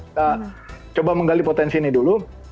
kita coba menggali potensi ini dulu